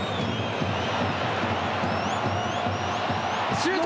シュート！